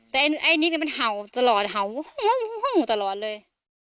แต่ไอ้นี่ก็มันเห่าตลอดเห่าตลอดเลย